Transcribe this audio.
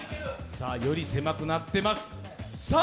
より狭くなっています。